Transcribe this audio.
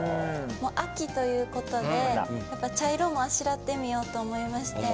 秋ということでやっぱ茶色もあしらってみようと思いまして。